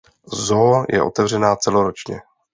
Zoo je otevřena celoročně.